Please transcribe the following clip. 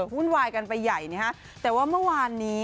วุ่นวายกันไปใหญ่นะฮะแต่ว่าเมื่อวานนี้